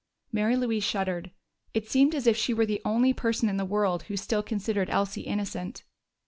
Mary Louise shuddered: it seemed as if she were the only person in the world who still considered Elsie innocent.